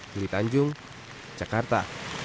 juli tanjung jakarta